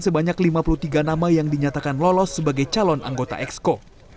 sebanyak lima puluh tiga nama yang dinyatakan lolos sebagai calon anggota exco